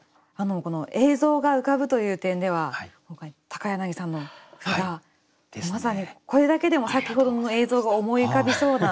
映像が浮かぶという点では柳さんの句がまさにこれだけでも先ほどの映像が思い浮かびそうな。